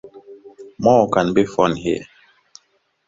More can be found here.